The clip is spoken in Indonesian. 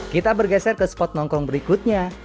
kita bergeser ke spot nongkrong berikutnya